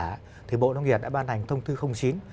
thế thì bộ nông nghiệp đã ban thành thông tư chín